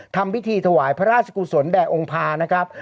ทำพิธีถวายพระราชกุศลแด่องค์พานะครับ